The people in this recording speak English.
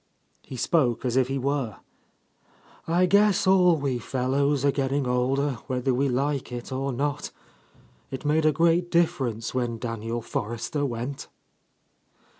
He spoke as if he were. "I guess all we fel lows are getting older, whether we like it or not. It made a great difference when Daniel Forrester went."